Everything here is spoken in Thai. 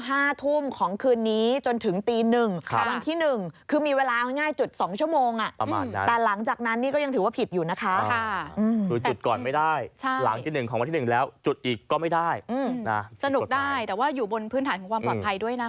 ห้าทุ่มของคืนนี้จนถึงตีหนึ่งค่ะวันที่หนึ่ง